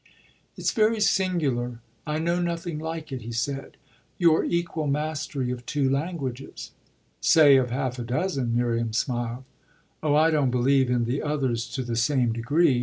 "It's very singular; I know nothing like it," he said "your equal mastery of two languages." "Say of half a dozen," Miriam smiled. "Oh I don't believe in the others to the same degree.